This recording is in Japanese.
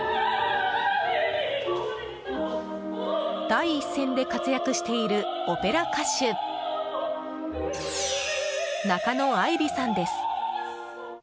第一線で活躍しているオペラ歌手中野亜維里さんです。